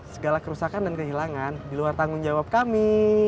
segala kerusakan dan kehilangan diluar tanggung jawab kami